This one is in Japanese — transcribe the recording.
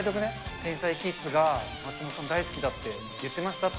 天才キッズが、松本さん大好きだって言ってましたって。